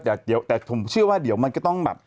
แต่เดี๋ยวแต่ผมเชื่อว่าเดี๋ยวมันก็ต้องแบบ